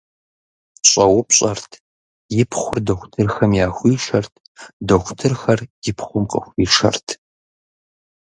Щӏэупщӏэрт, и пхъур дохутырхэм яхуишэрт, дохутырхэр и пхъум къыхуишэрт.